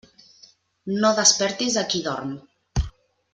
No despertis a qui dorm.